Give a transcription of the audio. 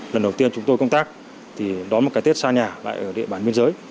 lần đầu tiên chúng tôi công tác thì đó là một cái tết xa nhà lại ở địa bàn biên giới